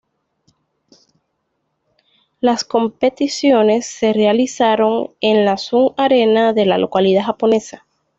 Las competiciones se realizaron en la Sun Arena de la localidad japonesa.